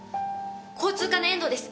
交通課の遠藤です。